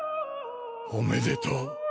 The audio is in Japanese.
おめでとう！